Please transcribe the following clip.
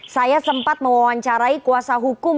saya sempat mewawancarai kuasa hukum